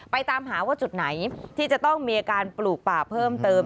ตามหาว่าจุดไหนที่จะต้องมีอาการปลูกป่าเพิ่มเติม